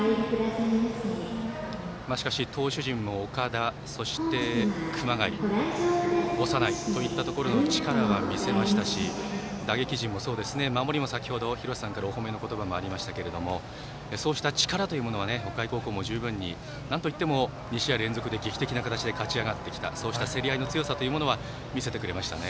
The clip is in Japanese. しかし、投手陣の岡田、熊谷、長内といったところ力は見せましたし打撃陣もそうですし守りも先ほど廣瀬さんからお褒めの言葉がありましたがそうした力というものは北海高校も十分になんといっても２試合連続で劇的な形で勝ち上がってきたそうした競り合いの強さというものは見せてくれましたね。